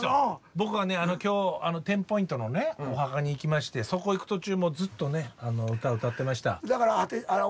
僕がね今日テンポイントのねお墓に行きましてそこ行く途中もずっとね歌歌ってました。